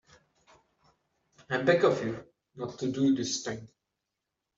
I beg of you not to do this thing.